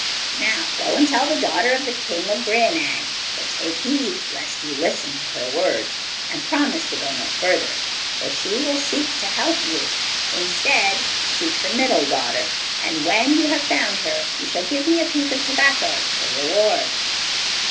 'Now go and tell the daughter of the king of Grianaig; but take heed lest you listen to her words, and promise to go no further, for she will seek to help you. Instead, seek the middle daughter, and when you have found her, you shall give me a piece of tobacco for reward.